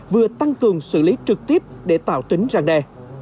vừa tăng cường xử lý trực tiếp để tạo tính răng đe